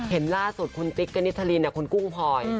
เห็นล่าสุดคุณติ๊กกณิชลินคุณกุ้งพลอย